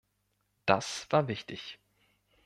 Das war wichtig.